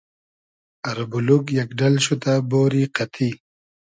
اربولوگ یئگ ۮئل شودۂ بۉری قئتی